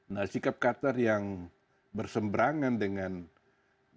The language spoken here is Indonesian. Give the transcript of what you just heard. nah sikap qatar yang bersemberangan dengan iran